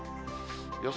予想